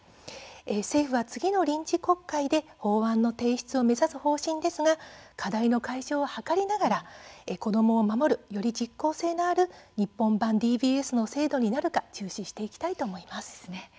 政府は次の臨時国会で法案の提出を目指す方針ですが課題の解消を図りながら子どもを守る、より実効性のある日本版ＤＢＳの制度になるか注視していきたいと思います。